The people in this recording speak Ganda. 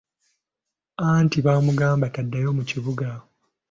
Anti baamugamba taddayo mu kibuga.